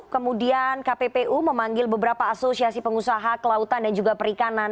kemudian kppu memanggil beberapa asosiasi pengusaha kelautan dan juga perikanan